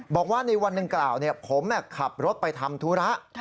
บอกว่าในวันดังกล่าวผมขับรถไปทำธุระ